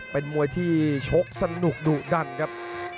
เป็นมวยที่ชกสนุกดุดันครับ